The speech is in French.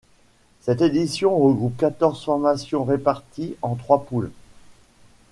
Cette édition regroupe quatorze formations réparties en trois poules.